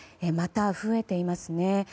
また増えていますね。